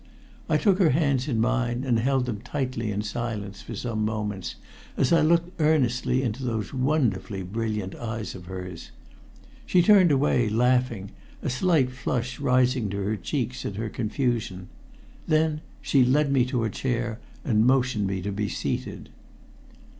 I took her hands in mine and held them tightly in silence for some moments, as I looked earnestly into those wonderfully brilliant eyes of hers. She turned away laughing, a slight flush rising to her cheeks in her confusion. Then she led me to a chair, and motioned me to be seated.